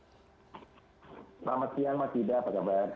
selamat siang pak tida apa kabar